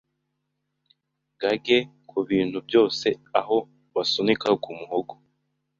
gage kubintu byose aho basunika kumuhogo,